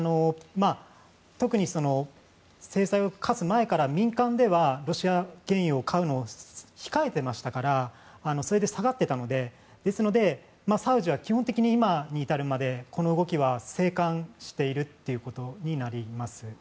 特に制裁を科す前から、民間ではロシア原油を買うのを控えていましたからそれで下がっていたのでですので、サウジは基本的に今に至るまでこの動きは静観しているということになります。